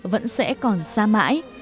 vẫn sẽ còn xa mãi